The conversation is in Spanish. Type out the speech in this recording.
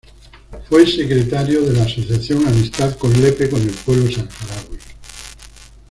Fue Secretario de la asociación "Amistad de Lepe con el Pueblo Saharaui".